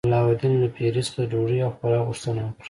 علاوالدین له پیري څخه د ډوډۍ او خوراک غوښتنه وکړه.